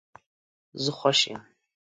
زه خوش یم